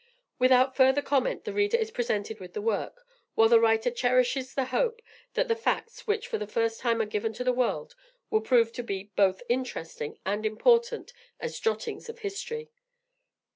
Without further comment, the reader is presented with the work, while the writer cherishes the hope, that the facts, which for the first time are given to the world, will prove to be both interesting and important as jottings of history.